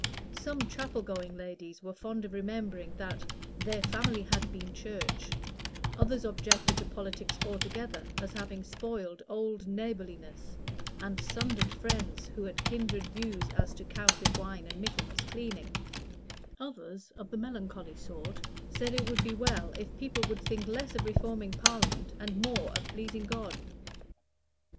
Some chapel going ladies were fond of remembering that "their family had been Church"; others objected to politics altogether as having spoiled old neighborliness, and sundered friends who had kindred views as to cowslip wine and Michaelmas cleaning; others, of the melancholy sort, said it would be well if people would think less of reforming Parliament and more of pleasing God.